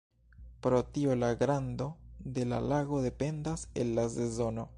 Pro tio la grando de la lago dependas el la sezono.